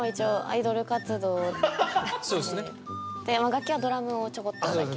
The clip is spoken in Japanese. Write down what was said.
楽器はドラムをちょこっとだけ。